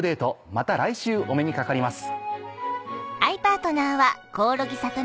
また来週お目にかかります。